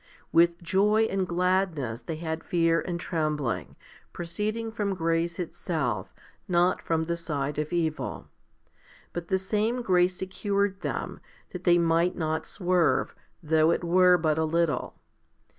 With joy and gladness they had fear and trembling, proceeding from grace itself, not from the side of evil; but the same grace secured them, that they might not swerve, though it were but a little.